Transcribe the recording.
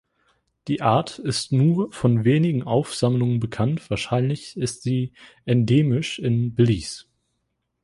Die Art ist nur von wenigen Aufsammlungen bekannt, wahrscheinlich ist sie endemisch in Belize.